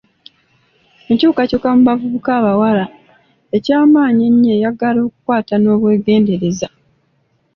Enkyukakyuka mu bavubuka abawala ey'amaanyi ennyo eyagala okukwata n'obwegendereza.